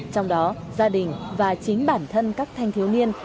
trong đó gia đình và chính bản thân các thanh thiếu niên